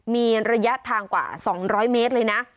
มีระยะทางกว่า๒๐๐เมตรเลยนะ